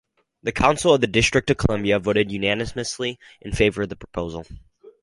The Council of the District of Columbia voted unanimously in favor of the proposal.